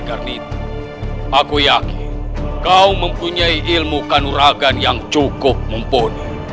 karena itu aku yakin kau mempunyai ilmu kanuragan yang cukup mumpuni